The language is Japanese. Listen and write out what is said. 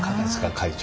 会長。